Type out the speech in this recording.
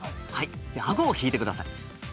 アゴを引いてください。